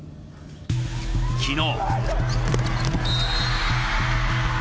昨日。